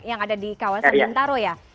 yang ada di kawasan bintaro ya